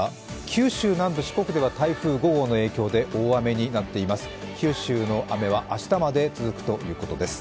九州南部、四国では台風５号の影響で大雨になっています。